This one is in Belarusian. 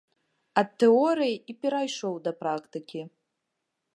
Ад тэорыі і перайшоў да практыкі.